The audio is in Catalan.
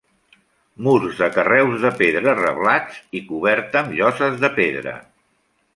Murs de carreus de pedra reblats i coberta amb lloses de pedra.